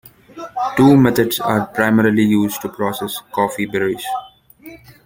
Two methods are primarily used to process coffee berries.